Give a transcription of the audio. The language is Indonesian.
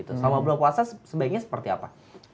selama bulan puasa sebaiknya seperti apa